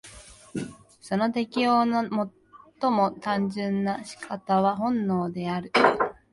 その適応の最も単純な仕方は本能である。